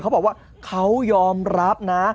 เขาบอกว่าเขายอมรับนะ